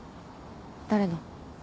誰の？